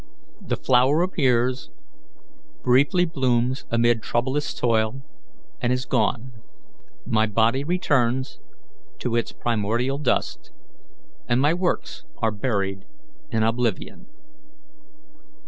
The flower appears, briefly blooms amid troublous toil, and is gone; my body returns to its primordial dust, and my works are buried in oblivion.